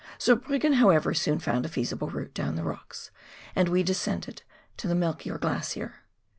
Zurbriggen, however, soon found a feasible route down the rocks, and we descended to the Melchior Glacier.